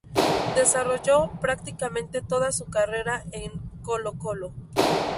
Desarrolló prácticamente toda su carrera en Colo-Colo.